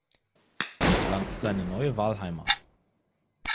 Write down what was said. Island ist seine neue Wahlheimat.